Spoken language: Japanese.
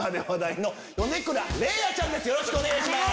よろしくお願いします。